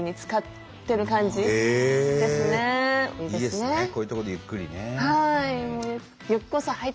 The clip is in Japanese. こういうとこでゆっくりね。